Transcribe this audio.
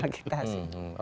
bukan masalah kita sih